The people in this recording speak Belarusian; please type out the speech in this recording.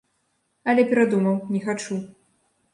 Але перадумаў, не хачу.